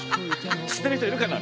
知ってる人いるかな？